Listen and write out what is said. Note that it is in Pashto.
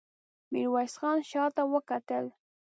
ميرويس خان شاته وکتل.